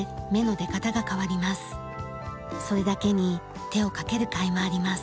それだけに手をかけるかいもあります。